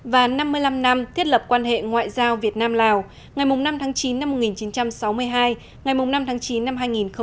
và năm mươi năm năm thiết lập quan hệ ngoại giao việt nam lào ngày năm tháng chín năm một nghìn chín trăm sáu mươi hai ngày năm tháng chín năm hai nghìn hai mươi